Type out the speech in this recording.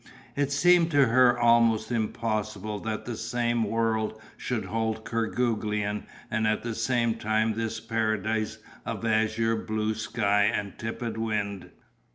It seemed to her almost impossible that the same world should hold Kerguelen and at the same time this paradise of azure blue sky and tepid wind.